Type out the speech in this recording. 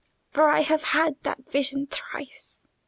For I have had that vision thrice.